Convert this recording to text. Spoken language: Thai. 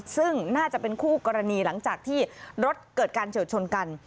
ซึ่งน่าจะเป็นคู่กรณีหลังจากที่รถเกิดการเฉียวชนกัน